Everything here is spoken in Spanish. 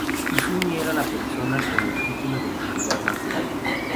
Izumi era la persona con el título de longevidad más largo.